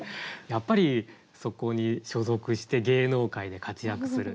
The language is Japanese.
やっぱりそこに所属して芸能界で活躍する。